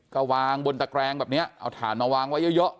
ก็วางบนตะแกรงแบบนี้เอาถ่านมาวางไว้เยอะ